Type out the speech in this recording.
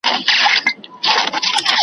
په سل ګونو یې ترې جوړ کړل قفسونه.